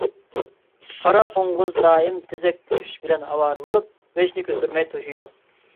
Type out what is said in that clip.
قارا قوڭغۇز دائىم تېزەك توشۇش بىلەن ئاۋارە بولۇپ، بېشىنى كۆتۈرمەي توشۇيدۇ.